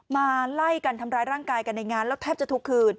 มาไล่กันทำร้ายร่างกายกันในงานแล้วแทบจะทุกคืน